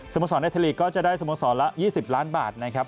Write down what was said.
โมสรในไทยลีกก็จะได้สโมสรละ๒๐ล้านบาทนะครับ